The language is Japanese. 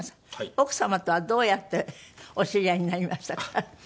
奥様とはどうやってお知り合いになりましたか？